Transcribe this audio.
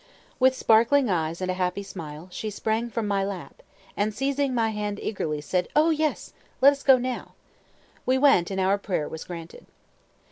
With sparkling eyes and a happy smile, she sprang from my lap, and, seizing my hand eagerly, said, "O yes! let us go now." We went, and our prayer was granted.